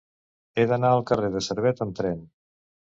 He d'anar al carrer de Servet amb tren.